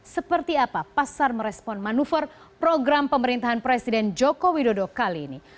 seperti apa pasar merespon manuver program pemerintahan presiden joko widodo kali ini